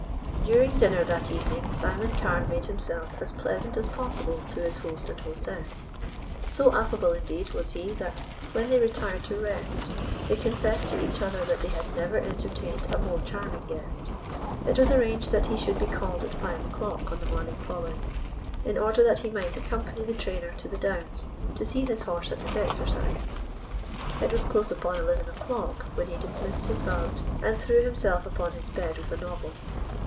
During dinner that evening Simon Carne made himself as pleasant as possible to his host and hostess. So affable, indeed, was he that when they retired to rest they confessed to each other that they had never entertained a more charming guest. It was arranged that he should be called at five o'clock on the morning following, in order that he might accompany the trainer to the Downs to see his horse at his exercise. It was close upon eleven o'clock when he dismissed his valet and threw himself upon his bed with a novel.